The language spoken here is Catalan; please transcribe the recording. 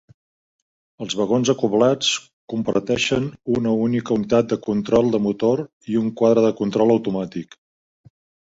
Els vagons acoblats comparteixen una única unitat de control de motor i un quadre de control automàtic.